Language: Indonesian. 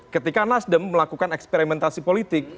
ketika nasdem melakukan eksperimentasi politik